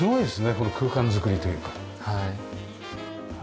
この空間作りというか。